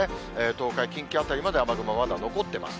東海、近畿辺りまで雨雲、まだ残ってます。